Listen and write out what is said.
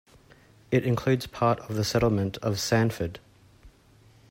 It includes part of the settlement of Sandford.